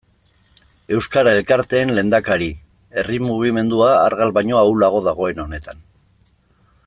Euskara elkarteen lehendakari, herri mugimendua argal baino ahulago dagoen honetan.